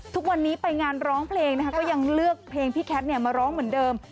ทุกวันนี้ไปงานร้องเพลงนะคะก็ยังเลือกเพลงพี่แคทมาร้องเหมือนเดิม